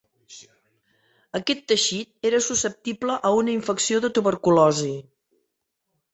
Aquest teixit era susceptible a una infecció de tuberculosi.